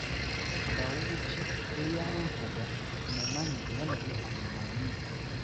Kawuki eyanvuga mmumanyi era naye ammanyi.